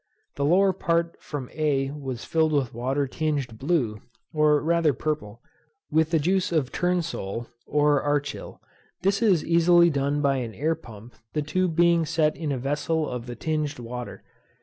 The lower part from a was filled with water tinged blue, or rather purple, with the juice of turnsole, or archil. This is easily done by an air pump, the tube being set in a vessel of the tinged water.